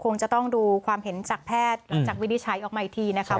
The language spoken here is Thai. คงจะต้องดูความเห็นจากแพทย์จากวิธีใช้ออกใหม่ทีนะคะ